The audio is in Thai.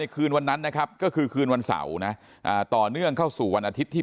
คืนวันนั้นนะครับก็คือคืนวันเสาร์นะต่อเนื่องเข้าสู่วันอาทิตย์ที่๓